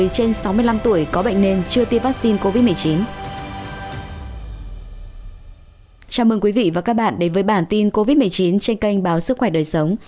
chào mừng quý vị và các bạn đến với bản tin covid một mươi chín trên kênh báo sức khỏe đời sống